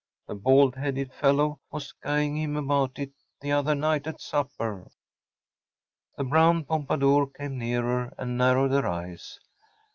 The bald headed fellow was guying him about it the other night at supper.‚ÄĚ The brown pompadour came nearer and narrowed her eyes.